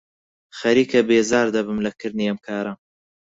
خەریکە بێزار دەبم لە کردنی ئەم کارە.